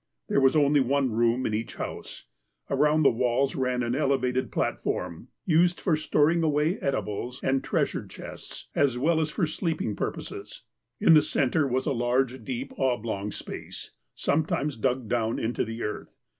There was only one room iu each house. Around the walls ran an elevated platform, used for storing away eatables and treasure chests, as well as for sleeping pur poses. In the centre was a large, deep, oblong space, sometimes dug down into the earth.